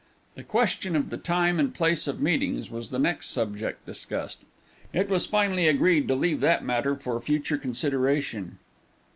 The question of the time and place of meetings was the next subject discussed. It was finally agreed to leave that matter for future consideration.